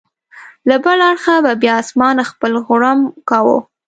له بل اړخه به بیا اسمان خپل غړومب کاوه.